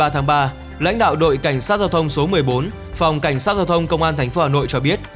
tháng ba lãnh đạo đội cảnh sát giao thông số một mươi bốn phòng cảnh sát giao thông công an thành phố hà nội